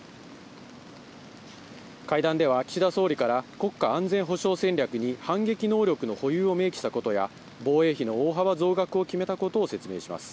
会談では岸田総理から国家安全保障戦略に反撃能力の保有を明記したことや、防衛費の大幅増額を決めたことを説明します。